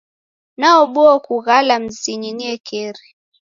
Naobua kughala mzinyi niekeri.